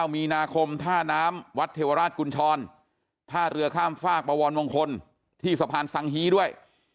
มีนาคมท่าน้ำวัดเทวราชกุญชรท่าเรือข้ามฝากบวรมงคลที่สะพานสังฮีด้วย